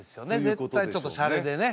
絶対ちょっとシャレでね